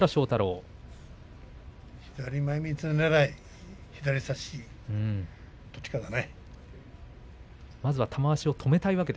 左前みつねらい左差し、どっちかだね。